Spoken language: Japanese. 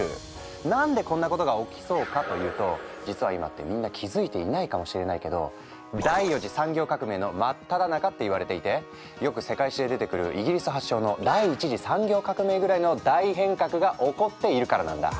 何でこんなことが起きそうかというと実は今ってみんな気付いていないかもしれないけど第４次産業革命の真っただ中っていわれていてよく世界史で出てくるイギリス発祥の第１次産業革命ぐらいの大変革が起こっているからなんだ。